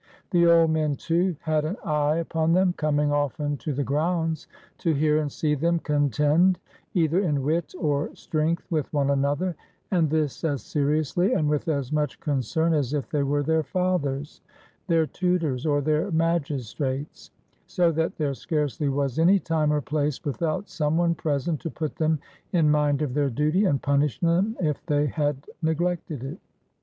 The old men, too, had an eye upon them, coming often to the grounds to hear and see them contend either in wit or strength with one another, and this as seriously and with as much concern as if they were their fathers, their tu tors, or their magistrates; so that there scarcely was any time or place without some one present to put them in mind of their duty, and punish them if they had neg lected it.